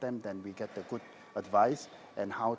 kemudian kami mendapatkan bantuan yang baik